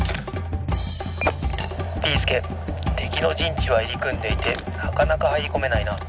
「ビーすけてきのじんちはいりくんでいてなかなかはいりこめないな。